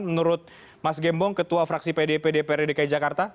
menurut mas gembong ketua fraksi pdp dprdki jakarta